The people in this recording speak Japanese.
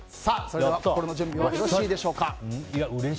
それでは、心の準備よろしいですか？